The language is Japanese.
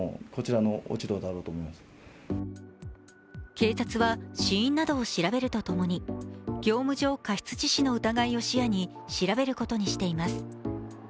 警察は死因などを調べるとともに、業務上過失致死の疑いを視野に調べることにしています。